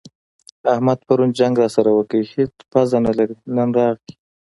احمد پرون جنګ راسره وکړ؛ هيڅ پزه نه لري - نن راغی.